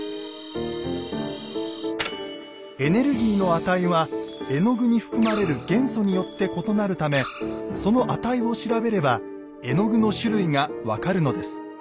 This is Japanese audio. エネルギーの値は絵の具に含まれる元素によって異なるためその値を調べれば絵の具の種類が分かるのです。